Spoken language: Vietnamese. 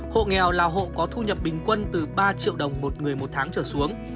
hộ nghèo là hộ có thu nhập bình quân từ ba triệu đồng một người một tháng trở xuống